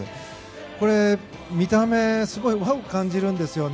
これ、見た目すごい和を感じるんですよね。